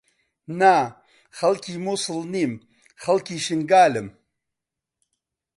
نا، خەڵکی مووسڵ نیم، خەڵکی شنگالم.